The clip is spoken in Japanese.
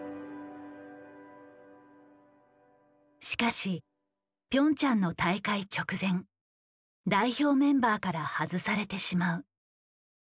しかしピョンチャンの大会直前代表メンバーから外されてしまう。